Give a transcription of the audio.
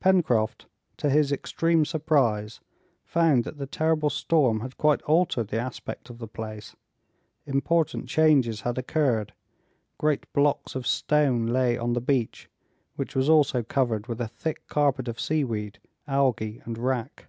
Pencroft, to his extreme surprise, found that the terrible storm had quite altered the aspect of the place. Important changes had occurred; great blocks of stone lay on the beach, which was also covered with a thick carpet of sea weed, algae, and wrack.